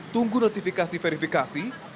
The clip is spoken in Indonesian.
tunggu notifikasi verifikasi